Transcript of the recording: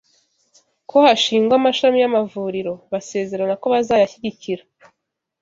ko hashingwa amashami y’amavuriro, basezerana ko bazayashyigikira.